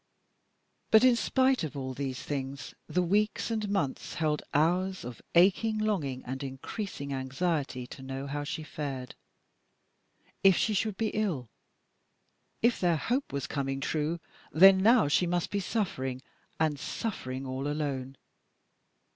But in spite of all these things, the weeks and months held hours of aching longing and increasing anxiety to know how she fared. If she should be ill. If their hope was coming true, then now she must be suffering, and suffering all alone.